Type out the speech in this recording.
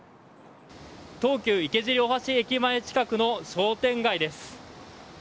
東急池尻大橋駅前近くの商店街です。